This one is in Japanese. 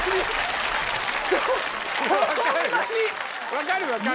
分かる分かる。